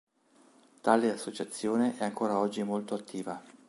Tale associazione è ancora oggi molto attiva.